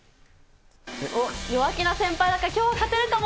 弱気な先輩だからきょう勝てるかも。